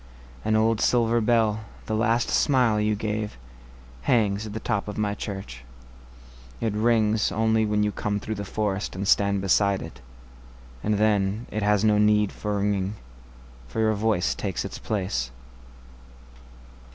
An old silver bell, the last smile you gave, Hangs at the top of my church.It rings only when you come through the forestAnd stand beside it. And then, it has no need for ringing, For your voice takes its place.